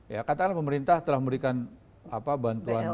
ya katanya pemerintah telah memberikan apa bantuan